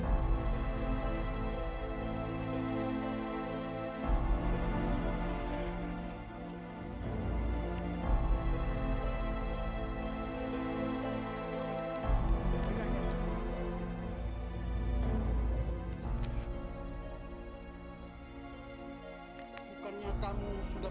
masuk ke model